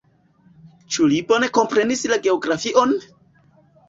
Ĉu li bone komprenis la geografion?